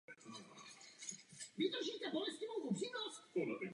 Nachází se na západě Votic.